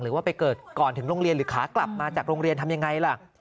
หรือว่าไปเกิดก่อนถึงโรงเรียนหรือขากลับมาจากโรงเรียนทำยังไงล่ะ